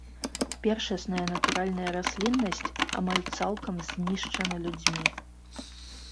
Першасная натуральная расліннасць амаль цалкам знішчана людзьмі.